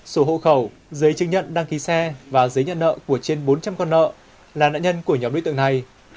sổ hộ khẩu giấy chứng nhận đăng ký xe và giấy nhận nợ của trên bốn trăm linh con nợ là nạn nhân của nhóm đối tượng này